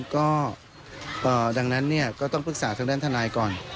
ก็ดังนั้นก็ต้องปรึกษาทางด้านทนายก่อน